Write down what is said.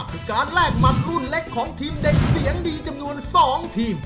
คือการแลกหมัดรุ่นเล็กของทีมเด็กเสียงดีจำนวน๒ทีม